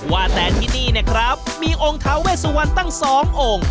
ว่าแต่ที่นี่นะครับมีองค์ท้าเวสวันตั้งสององค์